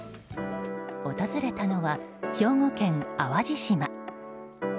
訪れたのは兵庫県淡路島。